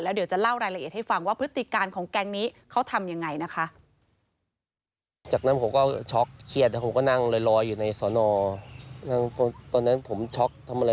เดี๋ยวจะเล่ารายละเอียดให้ฟังว่าพฤติการของแก๊งนี้เขาทำยังไงนะคะ